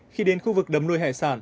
khi đến khu vực đầm nuôi hải sản